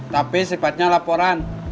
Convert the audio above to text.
tapi sifatnya laporan